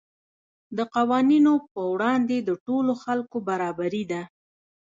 د قوانینو په وړاندې د ټولو خلکو برابري ده.